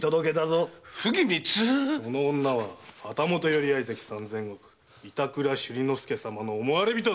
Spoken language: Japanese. この女は旗本寄合席三千石板倉修理介様の思われ人。